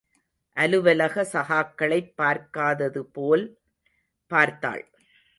அலுவலக சகாக்களைப் பார்க்காததுபோல் பார்த்தாள்.